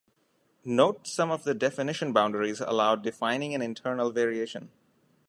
Note some of the definition boundaries allow defining an internal variation.